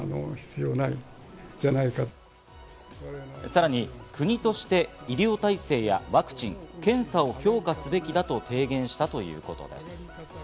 さらに国として医療体制やワクチン、検査を強化すべきだと提言したということです。